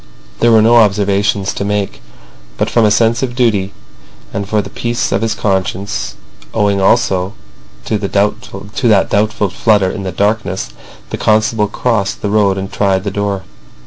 There were no observations to make; but from a sense of duty and for the peace of his conscience, owing also to that doubtful flutter of the darkness, the constable crossed the road, and tried the door.